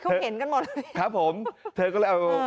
อุ้ยเขาเห็นกันหมดเลย